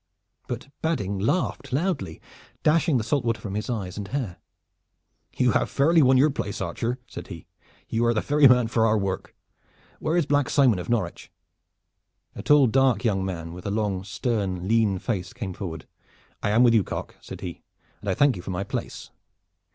But Badding laughed loudly, dashing the saltwater from his eyes and hair. "You have fairly won your place, archer," said he. "You are the very man for our work. Where is Black Simon of Norwich?" A tall dark young man with a long, stern, lean face came forward. "I am with you, Cock," said he, "and I thank you for my place."